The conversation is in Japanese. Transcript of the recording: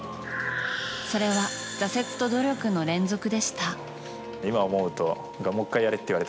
それは、挫折と努力の連続でした。